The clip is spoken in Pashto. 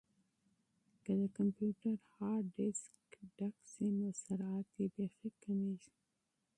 که د کمپیوټر هارډیسک ډک شي نو سرعت یې بیخي کمیږي.